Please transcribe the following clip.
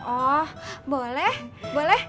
oh boleh boleh